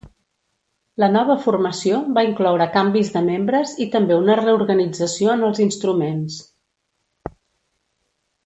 La nova formació va incloure canvis de membres i també una reorganització en els instruments.